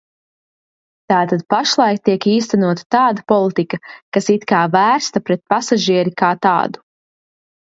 Tātad pašlaik tiek īstenota tāda politika, kas it kā vērsta pret pasažieri kā tādu.